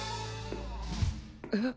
えっ！